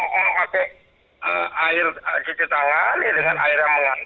tapi ini baik kita menggunakan air cuci tangan ya dengan air yang lain